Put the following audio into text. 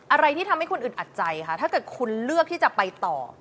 อะไรที่ทำให้คุณอึดอัดใจค่ะถ้าเกิดคุณเลือกที่จะไปต่อ